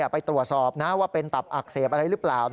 ไปตรวจสอบนะว่าเป็นตับอักเสบอะไรหรือเปล่า